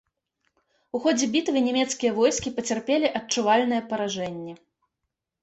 У ходзе бітвы нямецкія войскі пацярпелі адчувальнае паражэнне.